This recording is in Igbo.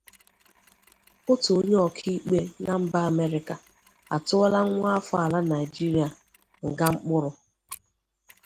Otu onye ọkaikpe na mba Amerịka atụọla nwa afọ ala Nigeria nga mkpụrụ